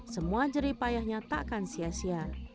semua jeripayahnya tak akan sia sia